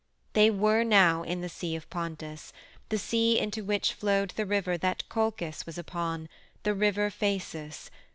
They were now in the Sea of Pontus, the sea into which flowed the river that Colchis was upon the River Phasis.